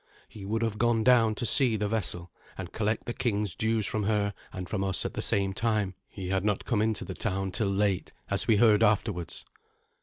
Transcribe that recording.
He would have gone down to see the vessel and collect the king's dues from her and from us at the same time. He had not come into the town till late, as we heard afterwards.